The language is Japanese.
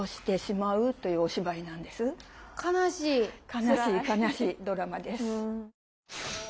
悲しい悲しいドラマです。